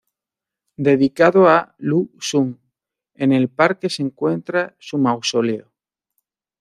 Dedicado a Lu Xun, en el parque se encuentra su mausoleo.